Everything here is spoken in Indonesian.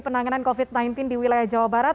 penanganan covid sembilan belas di wilayah jawa barat